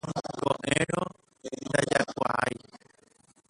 Ko'ẽrõ ndajaikuaái